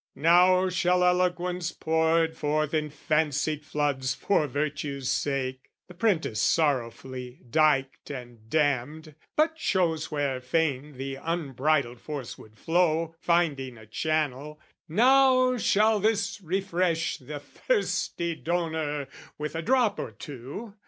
Now shall eloquence Poured forth in fancied floods for virtue's sake, (The print is sorrowfully dyked and dammed, But shows where fain the unbridled force would flow, Finding a channel) now shall this refresh The thirsty donor with a drop or two!